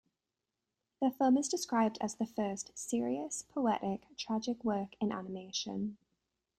The film is described as the first serious, poetic, tragic work in animation.